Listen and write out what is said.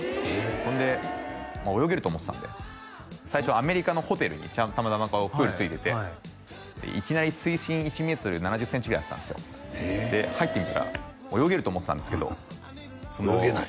そんでもう泳げると思ってたんで最初はアメリカのホテルにたまたまプール付いてていきなり水深１メートル７０センチぐらいあったんですよで入ってみたら泳げると思ってたんですけど泳げない？